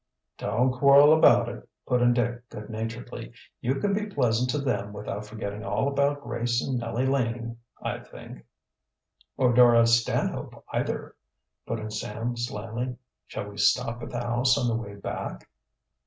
"Don't quarrel about it," put in Dick good naturedly. "You can be pleasant to them without forgetting all about Grace and Nellie Laning, I think." "Or Dora Stanhope either," put in Sam slyly. "Shall we stop at the house on the way back?"